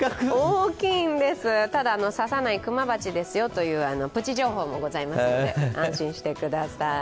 ただ、刺さないクマバチですよというプチ情報もありますので安心してください。